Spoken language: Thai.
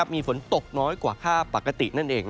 มีฝนตกน้อยกว่าค่าปกตินั่นเอง